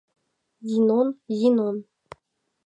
Зинон, Зинон!